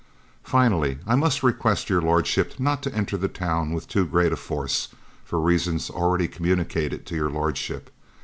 "Finally, I must request Your Lordship not to enter the town with too great a force (for reasons already communicated to Your Lordship).